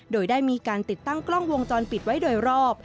โดยได้มีการติดตั้งกล้องวงจรปิดไว้โดยรอบ